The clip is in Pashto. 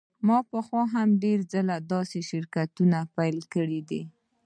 ما پخوا هم ډیر ځله داسې شرکتونه پیل کړي دي